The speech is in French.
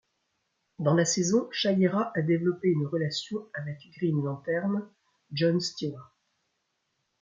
Dans la saison, Shayera a développé une relation avec Green Lantern, John Stewart.